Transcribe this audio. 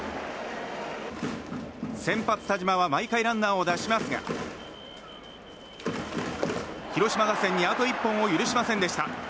先発、田嶋は毎回ランナーを出しますが広島打線にあと１本を許しませんでした。